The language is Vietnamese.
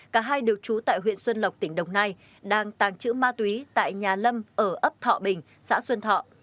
cả hai đều trú tại huyện xuân lộc tỉnh đồng nai đang tàng trữ ma túy tại nhà lâm ở ấp thọ bình xã xuân thọ